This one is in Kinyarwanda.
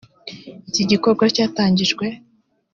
Iki gikorwa cyatangijwe